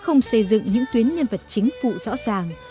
họ không xây dựng những tuyến nhân vật chính phủ rõ ràng